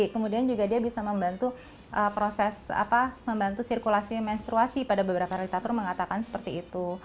kemudian juga dia bisa membantu proses membantu sirkulasi menstruasi pada beberapa relitator mengatakan seperti itu